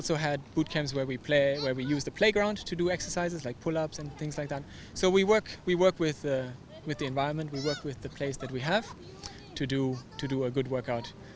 jadi kita bekerja dengan lingkungan kita bekerja dengan tempat yang kita punya untuk melakukan latihan yang baik